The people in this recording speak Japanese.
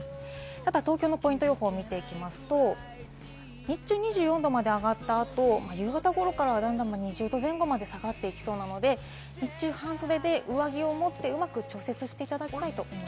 ただ東京のポイント予報を見ていきますと、日中２４度まで上がった後、夕方頃からは段々２０度前後まで下がっていきそうなので日中は半袖で上着を持ってうまく調節していただきたいと思います。